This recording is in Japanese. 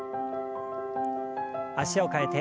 脚を替えて。